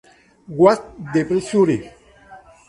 What's the Pressure?